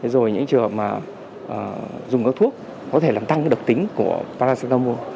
rồi những trường hợp mà dùng các thuốc có thể làm tăng độc tính của paracetamo